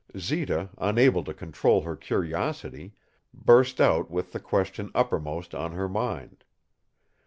Zita, unable to control her curiosity, burst out with the question uppermost on her mind.